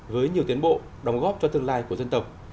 với nhiều tiến bộ đóng góp cho tương lai của dân tộc